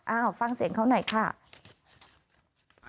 ฟังเสียงเขาหน่อยค่ะ